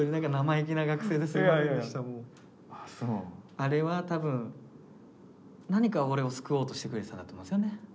あれは多分何か俺を救おうとしてくれてたんだと思うんですよね